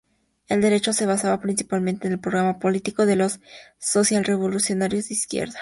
El decreto se basaba principalmente en el programa político de los socialrevolucionarios de izquierda.